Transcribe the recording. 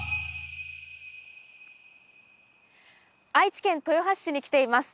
愛知県豊橋市に来ています。